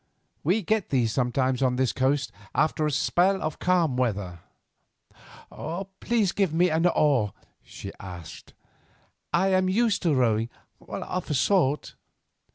We get them sometimes on this coast after a spell of calm weather." "Please give me an oar," she said. "I am used to rowing—of a sort."